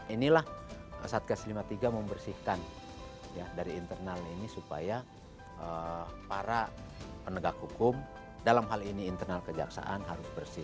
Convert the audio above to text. inilah satgas lima puluh tiga membersihkan dari internal ini supaya para penegak hukum dalam hal ini internal kejaksaan harus bersih